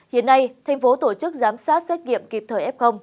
hiện nay tp hcm tổ chức giám sát xét nghiệm kịp thời f